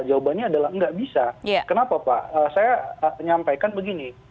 jawabannya adalah nggak bisa kenapa pak saya nyampaikan begini